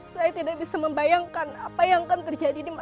saya tidak bisa membayangkan apa yang akan terjadi di masa depan